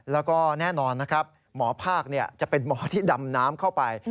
แล้วก็แน่นอนนะครับหมอภาคจะเป็นหมอที่ดำน้ำเข้าไป